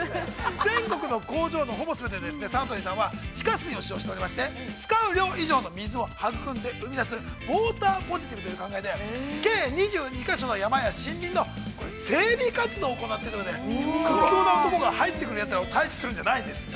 全国の工場のほぼ全てでサントリーさんは、地下水を使用しておりまして、使う量以上の水を育んで、生み出すウォーターポジティブという考えで、計２２か所の山や森林の整備活動を行っているということで、屈強の男が入ってきたのを退治するんじゃないんです。